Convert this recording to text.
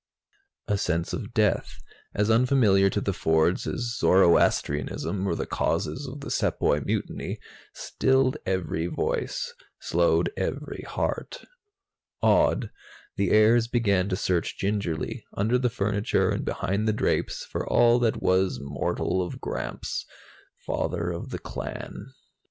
A sense of death, as unfamiliar to the Fords as Zoroastrianism or the causes of the Sepoy Mutiny, stilled every voice, slowed every heart. Awed, the heirs began to search gingerly, under the furniture and behind the drapes, for all that was mortal of Gramps, father of the clan.